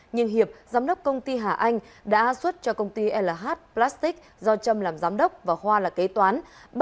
nhưng hiệp giám đốc công ty hà anh đã xuất cho công ty lh plastic do trâm làm giám đốc và hoa là kế toán